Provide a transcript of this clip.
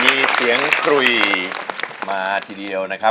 มีเสียงกรุยมาทีเดียวนะครับ